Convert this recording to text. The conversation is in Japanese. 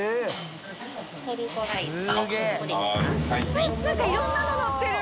あっ何かいろんなののってる！